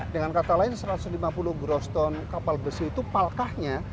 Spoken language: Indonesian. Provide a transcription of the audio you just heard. dengan kata lain satu ratus lima puluh groston kapal besi itu palkahnya